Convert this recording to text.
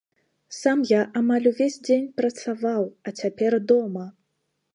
Сам я амаль увесь дзень працаваў, а цяпер дома.